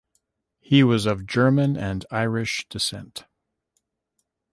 He was of German and Irish descent.